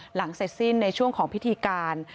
หลังเสร็จสิ้นในช่วงของพิธีการ